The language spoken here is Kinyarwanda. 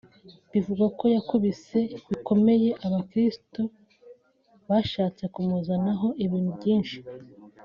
bivugwa ko yakubise bikomeye abakristo bashatse kumuzanaho ibintu byinshi